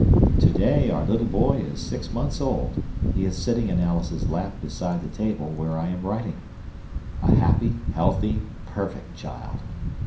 To day our little boy is six months old. He is sitting in Alice's lap beside the table where I am writing—a happy, healthy, perfect child.